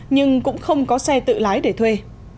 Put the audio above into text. nhưng cũng không có xe tự lái để thuê